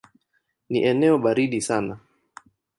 Ni eneo baridi sana.